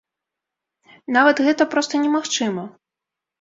Нават гэта проста немагчыма!